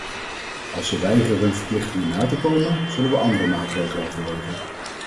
Als ze weigeren hun verplichtingen na te komen, zullen we andere maatregelen overwegen.